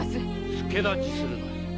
助太刀するのよ。